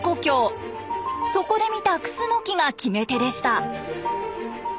そこで見たクスノキが決め手でした。